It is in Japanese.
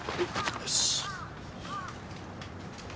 よし。